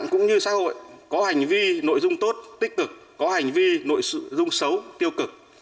cũng như xã hội có hành vi nội dung tốt tích cực có hành vi nội sự dung xấu tiêu cực